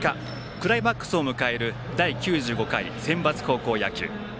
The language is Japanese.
クライマックスを迎える第９５回センバツ高校野球。